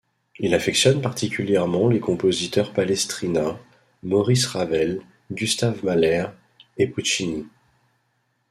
Il affectionne particulièrement les compositeurs Palestrina, Maurice Ravel, Gustav Mahler et Puccini.